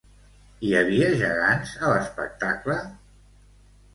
Hi havia gegants a l'espectacle?